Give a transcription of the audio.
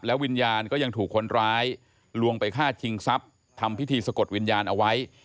วิญญาณก็ยังถูกคนร้ายลวงไปฆ่าชิงทรัพย์ทำพิธีสะกดวิญญาณเอาไว้